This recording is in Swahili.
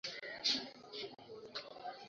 kilichopo ni kwamba labda wakae pamoja